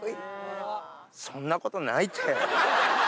そんなことないって。